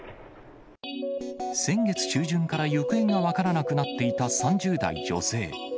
先月中旬から行方が分からなくなっていた３０代女性。